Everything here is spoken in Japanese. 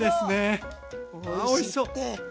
うわおいしそう！